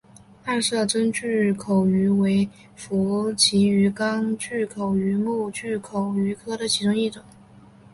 暗色真巨口鱼为辐鳍鱼纲巨口鱼目巨口鱼科的其中一种。